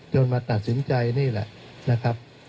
มาตัดสินใจนี่แหละนะครับ